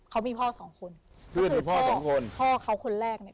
เขามีพ่อสองคนเพื่อนคือพ่อสองคนพ่อเขาคนแรกเนี้ย